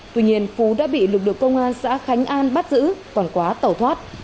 tuy nhiên phú đã bị lực lượng công an xã khánh an bắt giữ còn quá tẩu thoát